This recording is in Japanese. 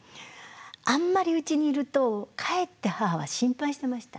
あんまりうちにいるとかえって母は心配してました。